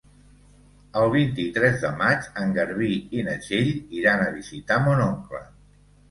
El vint-i-tres de maig en Garbí i na Txell iran a visitar mon oncle.